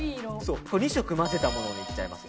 ２色混ぜたものを塗っちゃいます。